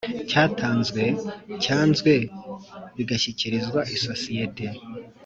cyatanzwe cyanzwe bigashyikirizwa isosiyete